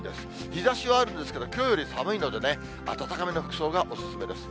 日ざしはあるんですけど、きょうより寒いのでね、暖かめの服装がお勧めです。